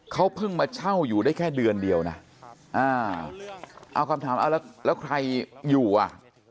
เขาเพิ่งมาเช่าอยู่ได้แค่เดือนเดียวนะเอาคำถามเอาแล้วแล้วใครอยู่อ่ะ